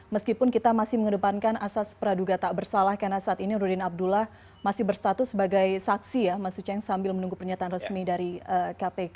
meskipun kita masih mengedepankan asas praduga tak bersalah karena saat ini rudin abdullah masih berstatus sebagai saksi ya mas uceng sambil menunggu pernyataan resmi dari kpk